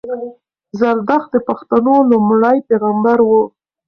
زردښت د پښتنو لومړی پېغمبر وو